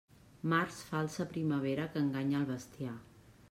Març falsa primavera que enganya al bestiar.